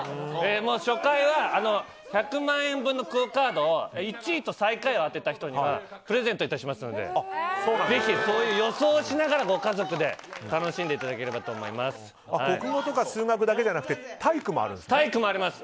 初回は１００万円分のＱＵＯカードを１位と最下位を当てた人にプレゼント致しますのでぜひ、予想しながらご家族で楽しんでいただけたらと国語とか数学だけじゃなくて体育もあります。